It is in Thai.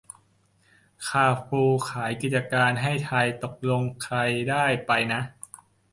คาร์ฟูร์ขายกิจการในไทย ตกลงใครได้ไปนะ